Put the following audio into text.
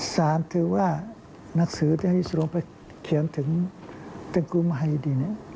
ศาลคือว่าหนังสือที่อายีสุลงค์ไปเขียนถึงตะกูมุยฮิดิน